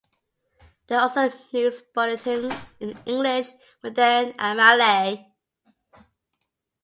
There are also news bulletins in English, Mandarin and Malay.